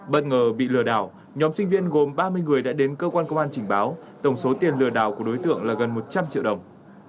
bất ngờ bị lừa đảo nhóm sinh viên gồm ba mươi người đã đến cơ quan công an trình báo tổng số tiền lừa đảo của đối tượng là gần một trăm linh triệu đồng